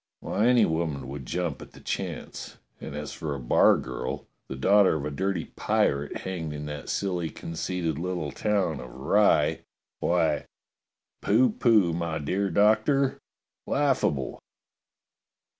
^^ Why, any woman would jump at the chance! And as for a bargirl, the daughter of a dirty pirate hanged in that silly conceited little town of Rye, why, pooh pooh, my dear Doctor ! Laugh able!"